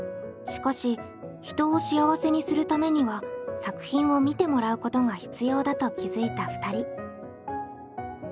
しかし人を幸せにするためには作品を見てもらうことが必要だと気付いた２人。